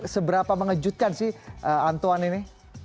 seberapa mengejutkan sih antoan ini